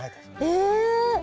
え！